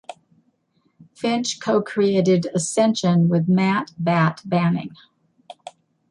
Finch co-created "Ascension" with Matt "Batt" Banning.